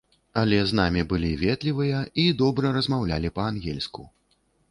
Але з намі былі ветлівыя і добра размаўлялі па-ангельску.